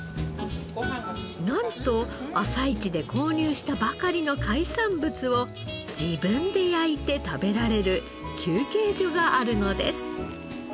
なんと朝市で購入したばかりの海産物を自分で焼いて食べられる休憩所があるのです。